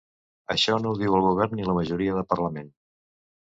Això no ho diu el govern ni la majoria de parlament.